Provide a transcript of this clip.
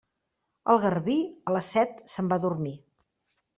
El garbí, a les set se'n va a dormir.